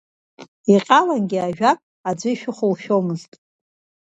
Иҟьа-лангьы ажәак аӡәы ишәыхәлшәомызт.